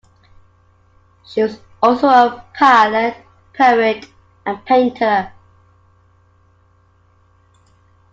She was also a pilot, poet, and painter.